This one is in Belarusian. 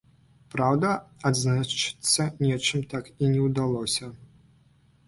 Праўда, адзначыцца нечым так і не ўдалося.